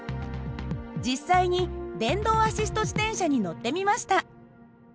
実際に電動アシスト自転車に乗ってみました。